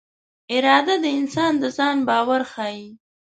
اراده د انسان د ځان باور ښيي.